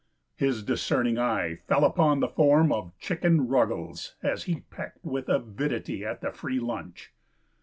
His discerning eye fell upon the form of Chicken Ruggles as he pecked with avidity at the free lunch.